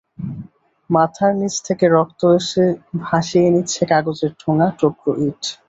মাথার নিচ থেকে রক্ত এসে ভাসিয়ে নিচ্ছে কাগজের ঠোঙা, টুকরো ইট।